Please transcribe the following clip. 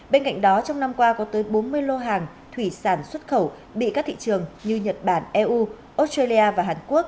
bên cạnh đó trong năm qua có tới bốn mươi lô hàng thủy sản xuất khẩu bị các thị trường như nhật bản eu australia và hàn quốc